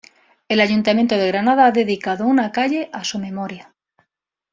El Ayuntamiento de Granada ha dedicado una calle a su memoria.